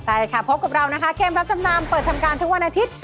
ใช่ค่ะพบกับเรานะคะเกมรับจำนำเปิดทำการทุกวันอาทิตย์